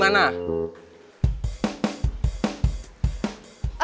ya udah oke